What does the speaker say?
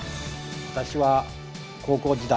私は高校時代